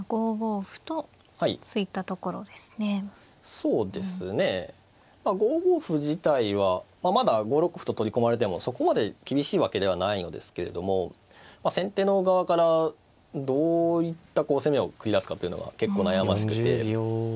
そうですね５五歩自体はまだ５六歩と取り込まれてもそこまで厳しいわけではないのですけれども先手の側からどういった攻めを繰り出すかというのは結構悩ましくて。